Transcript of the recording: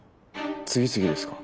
次々ですか？